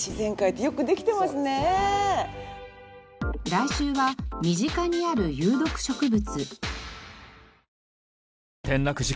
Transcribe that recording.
来週は身近にある有毒植物。